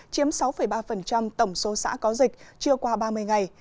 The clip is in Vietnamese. chiếm sáu ba tổng số xã có dịch chưa qua ba mươi ngày